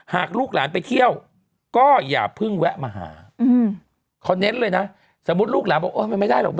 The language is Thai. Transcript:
ลูกหลานไปเที่ยวก็อย่าเพิ่งแวะมาหาเขาเน้นเลยนะสมมุติลูกหลานบอกมันไม่ได้หรอก